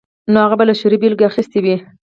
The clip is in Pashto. نو هغه به له شعري بېلګو اخیستنه وي.